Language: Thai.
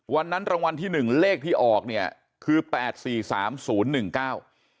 รางวัลที่หนึ่งเลขที่ออกเนี่ยคือแปดสี่สามศูนย์หนึ่งเก้า